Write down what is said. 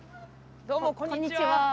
どうもこんにちは！